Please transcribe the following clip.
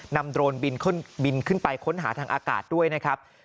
โดรนบินขึ้นไปค้นหาทางอากาศด้วยนะครับ